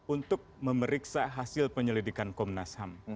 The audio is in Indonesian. untuk memeriksa hasil penyelidikan komnas ham